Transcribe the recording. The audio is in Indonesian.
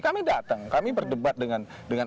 kami datang kami berdebat dengan dengan